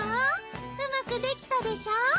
うまくできたでしょ。